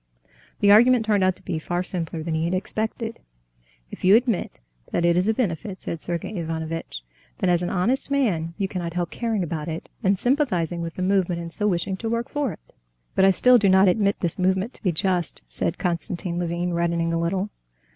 The argument turned out to be far simpler than he had expected. "If you admit that it is a benefit," said Sergey Ivanovitch, "then, as an honest man, you cannot help caring about it and sympathizing with the movement, and so wishing to work for it." "But I still do not admit this movement to be just," said Konstantin Levin, reddening a little.